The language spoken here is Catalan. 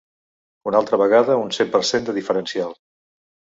Una altra vegada un cent per cent de diferència!